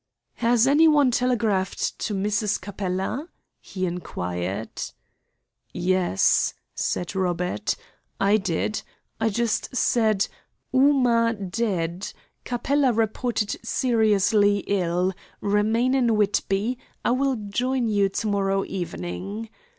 "Has anyone telegraphed to Mrs. Capella?" he inquired. "Yes," said Robert, "I did. I just said 'Ooma dead; Capella reported seriously ill. Remain in Whitby. I will join you to morrow evening.'